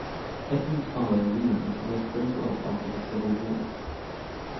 Edmond's father Leland lost great wealth after the Civil War.